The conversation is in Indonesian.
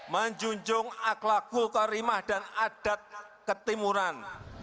menjunjung akhlakul karimah dan adat ketimuran